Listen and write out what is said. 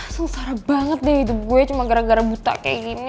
sengsara banget deh hidup gue cuma gara gara buta kayak gini